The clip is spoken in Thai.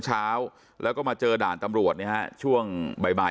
เช้าแล้วก็มาเจอด่านตำรวจเนี่ยฮะช่วงบ่าย